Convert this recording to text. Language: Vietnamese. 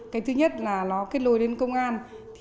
cái thứ nhất là nó kết lối đến công an